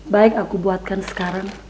baik aku buatkan sekarang